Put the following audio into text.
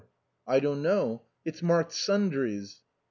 " I don't know ; it's marked sundries."